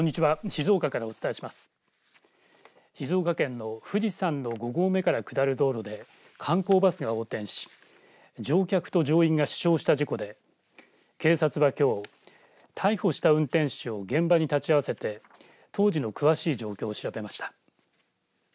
静岡県の富士山の５合目から下る道路で観光バスが横転し乗客と乗員が死傷した事故で警察はきょう逮捕した運転手を現場に立ち会わせて当時の詳しい状況を調べました。